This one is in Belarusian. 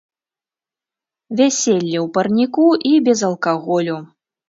Вяселле ў парніку і без алкаголю.